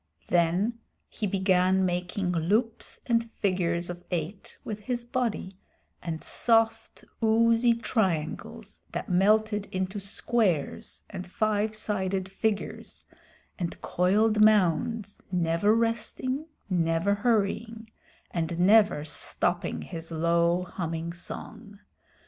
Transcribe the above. Then he began making loops and figures of eight with his body, and soft, oozy triangles that melted into squares and five sided figures, and coiled mounds, never resting, never hurrying, and never stopping his low humming song.